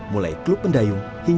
mulai klub pendayung hingga penjajaran